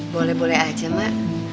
boleh boleh aja mak